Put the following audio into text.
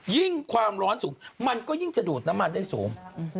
ยิ่งความร้อนสูงมันก็ยิ่งจะดูดน้ำมันได้สูง